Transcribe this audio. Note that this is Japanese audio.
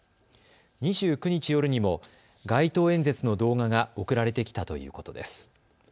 ２９日夜にも街頭演説の動画が送られてきたということです。